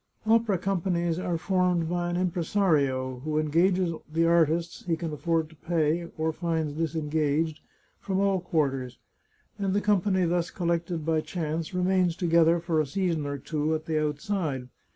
Opera companies are formed by an impresario, who en gages the artists he can afford to pay, or finds disengaged, from all quarters, and the company thus collected by chance remains together for a season or two, at the outside.